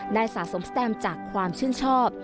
สะสมสแตมจากความชื่นชอบ